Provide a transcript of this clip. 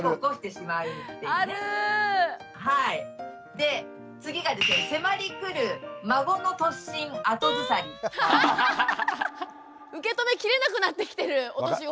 で次がですね受け止めきれなくなってきてるお年頃。